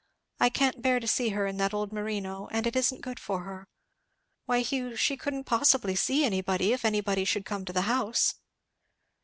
I can't bear to see her in that old merino, and it isn't good for her. Why, Hugh, she couldn't possibly see anybody, if anybody should come to the house."